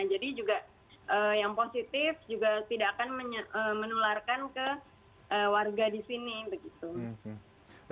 jadi juga yang positif juga tidak akan menularkan ke warga di sini